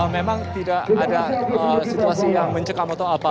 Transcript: memang tidak ada situasi yang mencekam atau apa